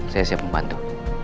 saya siap membantu